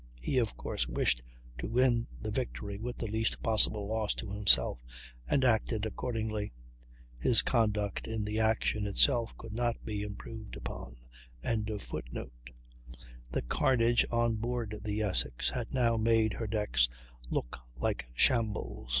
He, of course, wished to win the victory with the least possible loss to himself, and acted accordingly. His conduct in the action itself could not be improved upon.] The carnage on board the Essex had now made her decks look like shambles.